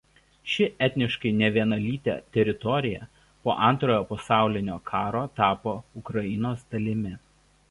Ši etniškai nevienalytė teritorija po Antrojo pasaulinio karo tapo Ukrainos dalimi.